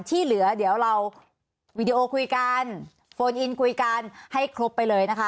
ที่เหลือเดี๋ยวเราวีดีโอคุยกันโฟนอินคุยกันให้ครบไปเลยนะคะ